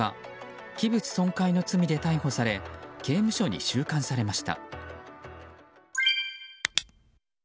器物損壊の罪で逮捕され刑務所に収監されました。